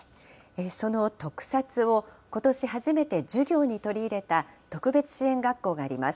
その特撮をことし初めて授業に取り入れた特別支援学校があります。